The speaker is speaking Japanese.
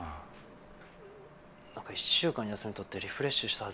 何か１週間休み取ってリフレッシュしたはずなんですけど。